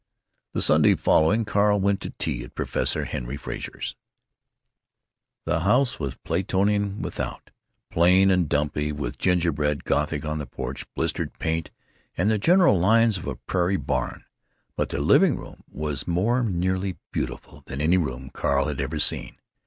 The Sunday following Carl went to tea at Professor Henry Frazer's. The house was Platonian without, plain and dumpy, with gingerbread Gothic on the porch, blistered paint, and the general lines of a prairie barn, but the living room was more nearly beautiful than any room Carl had seen.